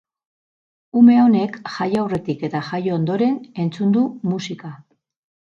Ume honek jaio aurretik eta jaio ondoren entzun du musika.